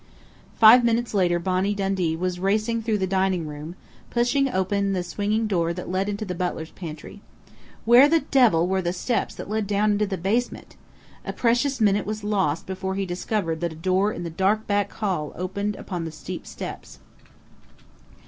Five minutes later Bonnie Dundee was racing through the dining room, pushing open the swinging door that led into the butler's pantry. Where the devil were the steps that led down into the basement? A precious minute was lost before he discovered that a door in the dark back hall opened upon the steep stairs....